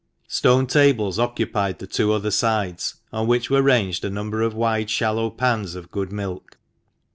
Stone tables occupied the two other sides, on which were ranged a number of wide, shallow pans of good milk.